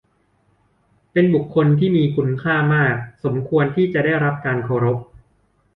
เป็นบุคคลที่มาคุณค่ามาก สมควรที่จะได้รับการเคารพ